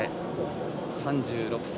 ３６歳。